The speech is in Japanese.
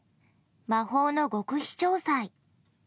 魔法の極秘詳細。